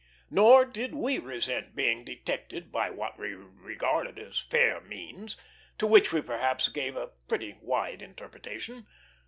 Nor did we resent being detected by what we regarded as fair means; to which we perhaps gave a pretty wide interpretation.